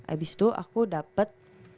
abis itu aku dapet